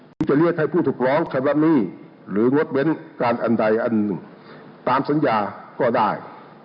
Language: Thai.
พี่จะเรียกให้ผู้ถูกร้องครับละนี่หรืองดเว้นการอันตามสัญญาก็ได้